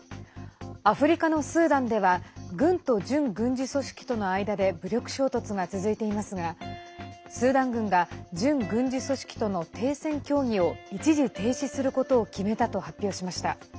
アフリカのスーダンでは軍と準軍事組織との間で武力衝突が続いていますがスーダン軍が準軍事組織との停戦協議を一時停止することを決めたと発表しました。